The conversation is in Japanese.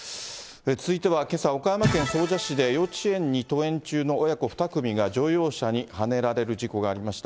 続いてはけさ岡山県総社市で幼稚園に登園中の親子２組が乗用車にはねられる事故がありました。